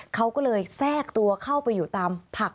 เขาก็เลยแทรกตัวเข้าไปอยู่ตามผัก